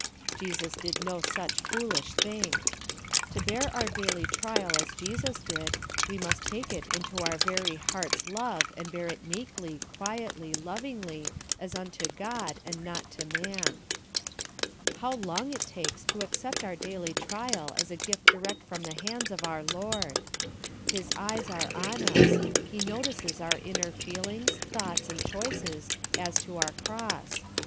Jesus did no such foolish thing. To bear our daily trial as Jesus did, we must take it into our very heart's love, and bear it meekly, quietly, lovingly, as unto God, and not to man. How long it takes to accept our daily trial as a gift direct from the hands of our Lord ! His eyes are on us ; He notices our inner feelings, thoughts, and choices as to our cross.